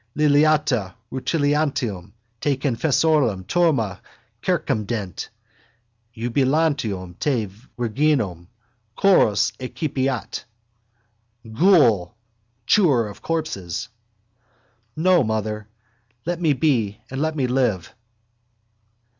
Liliata rutilantium te confessorum turma circumdet: iubilantium te virginum chorus excipiat. Ghoul! Chewer of corpses! No, mother! Let me be and let me live.